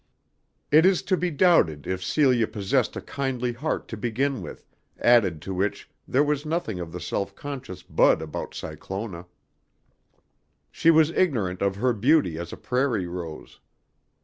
It is to be doubted if Celia possessed a kindly heart to begin with, added to which there was nothing of the self conscious bud about Cyclona. She was ignorant of her beauty as a prairie rose.